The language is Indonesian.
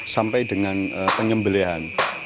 sampai dengan pengembelian